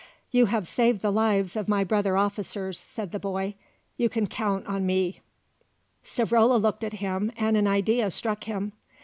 "You have saved the lives of my brother officers," said the boy; "you can count on me." Savrola looked at him and an idea struck him.